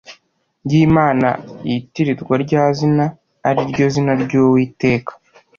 y imana yitirirwa rya zina ari ryo zina ry uwiteka